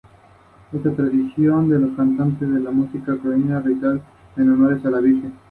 Formó parte del Centro de Estudios Nacionales, fundado por Rogelio Frigerio y Arturo Frondizi.